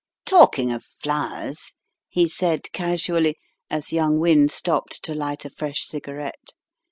"Talking of flowers," he said, casually, as young Wynne stopped to light a fresh cigarette.